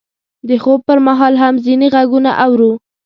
د خوب پر مهال هم ځینې غږونه اورو.